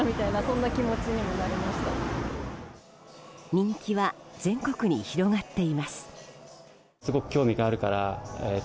人気は全国に広がっています。